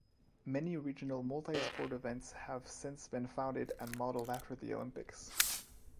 Many regional multi-sport events have since been founded and modeled after the Olympics.